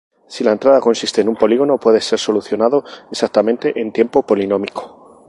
Si la entrada consiste en un polígono, puede ser solucionado exactamente en tiempo polinómico.